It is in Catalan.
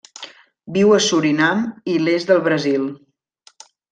Viu a Surinam i l'est del Brasil.